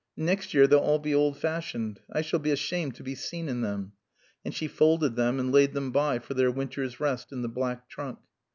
And next year they'll all be old fashioned. I shall be ashamed to be seen in them." And she folded them and laid them by for their winter's rest in the black trunk.